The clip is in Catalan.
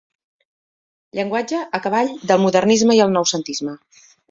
Llenguatge a cavall del modernisme i del noucentisme.